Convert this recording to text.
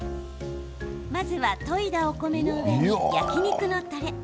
まずは、といだお米の上に焼き肉のたれ。